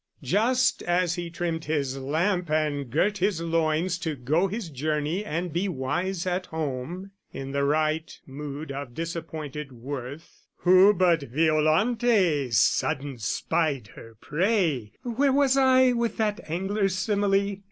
Just as he trimmed his lamp and girt his loins To go his journey and be wise at home, In the right mood of disappointed worth, Who but Violante sudden spied her prey (Where was I with that angler simile?)